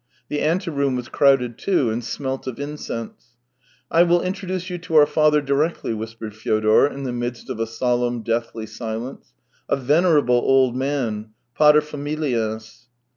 The anteroom was crowded too, and smelt of incense. " I will introduce you to our father directly," whispered Fyodor in the midst of a solemn, deathly silence. " A venerable old man, pater familias."